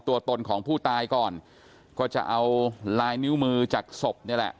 ตัวตนของผู้ตายก่อนก็จะเอาลายนิ้วมือจากศพนี่แหละ